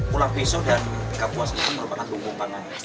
pulau peso dan kapuas itu merupakan lumbung pangan